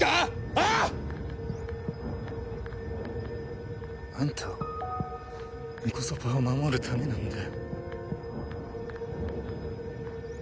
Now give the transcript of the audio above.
ああ！？あんたをンコソパを守るためなんだよ。